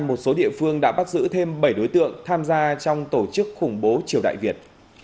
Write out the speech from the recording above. một số địa phương đã bắt giữ thêm bảy đối tượng tham gia trong tổ chức khủng bố triều đại việt